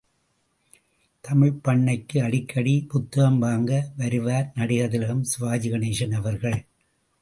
தமிழ்ப்பண்ணைக்கு அடிக்கடி புத்தகம் வாங்க வருவார் நடிகர் திலகம் சிவாஜிகணேசன் அவர்கள்.